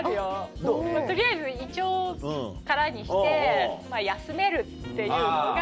取りあえず胃腸空にして休めるっていうのが。